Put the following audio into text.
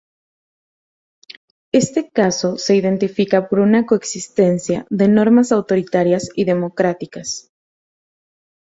Este caso se identifica por una coexistencia de normas autoritarias y democráticas.